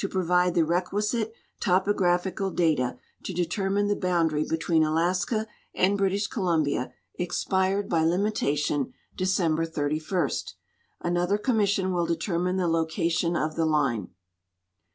provide the requisite topographical data to determine the lioundary between Alaska and British Columbia expired by limitation December 31. An other commission will determine the location of the line.